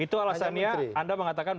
itu alasannya anda mengatakan